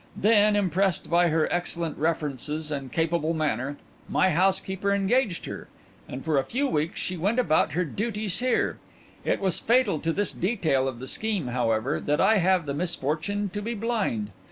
Then, impressed by her excellent references and capable manner, my housekeeper engaged her, and for a few weeks she went about her duties here. It was fatal to this detail of the scheme, however, that I have the misfortune to be blind.